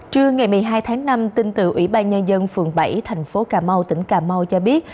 trưa ngày một mươi hai tháng năm tin từ ủy ban nhân dân phường bảy thành phố cà mau tỉnh cà mau cho biết